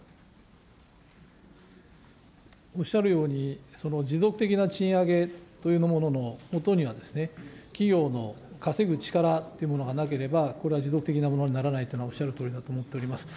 おっしゃるように、持続的な賃上げというもののもとには、企業の稼ぐ力というものがなければ、これは持続的なものにならないというのは、おっしゃるとおりだと思っております。